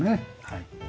はい。